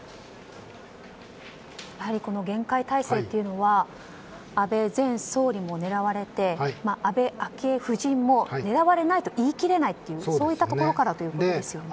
厳戒態勢というのは安倍前総理が狙われて安倍昭恵夫人も狙われないとは言い切れないというそういったところからということですよね。